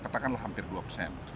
katakanlah hampir dua persen